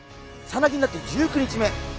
さなぎになって１９日目。